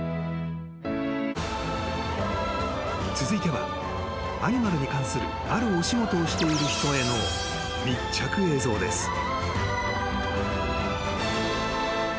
［続いてはアニマルに関するあるお仕事をしている人への密着映像です］